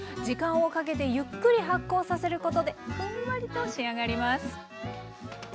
時間をかけてゆっくり発酵させることでふんわりと仕上がります。